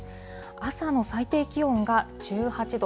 朝の最低気温が１８度。